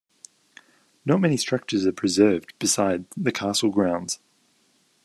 Not many structures are preserved beside the castle grounds.